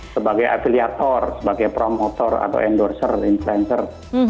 sebagai afiliator sebagai promotor atau endorser influencer